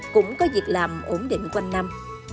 cũng có việc làm ổn định quanh năm